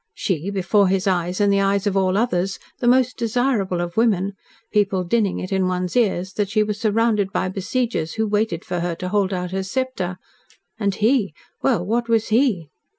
She before his eyes and the eyes of all others the most desirable of women; people dinning it in one's ears that she was surrounded by besiegers who waited for her to hold out her sceptre, and he well, what was he!